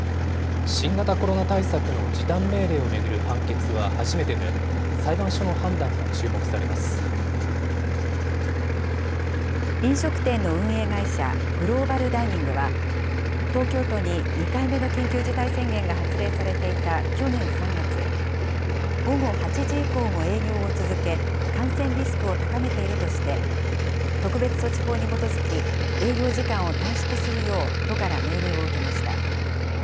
新型コロナ対策の時短命令を巡る判決は初めてで、裁判所の判飲食店の運営会社、グローバルダイニングは、東京都に２回目の緊急事態宣言が発令されていた去年３月、午後８時以降も営業を続け、感染リスクを高めているとして、特別措置法に基づき、営業時間を短縮するよう都から命令を受けました。